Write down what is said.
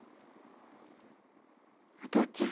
お父ちゃん。